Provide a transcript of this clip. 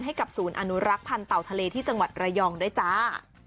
ให้กับศูนย์อนุรักษ์พันธ์เต่าทะเลที่จังหวัดระยองด้วยจ้า